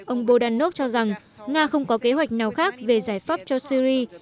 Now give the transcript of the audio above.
ông bodanov cho rằng nga không có kế hoạch nào khác về giải pháp cho syri